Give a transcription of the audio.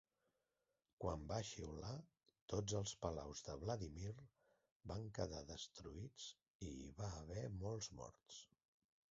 Quan va xiular tots els palaus de Vladimir van quedar destruïts i hi va haver molts morts.